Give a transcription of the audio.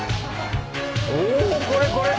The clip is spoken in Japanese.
おこれこれ！